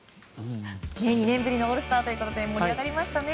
２年ぶりのオールスター盛り上がりましたね。